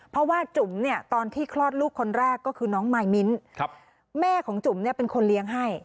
เพราะว่าจุ๋มเนี่ยตอนที่คลอดลูกคนแรกก็คือน้องมายมิ้นแม่ของจุ๋มเนี่ยเป็นคนเลี้ยงให้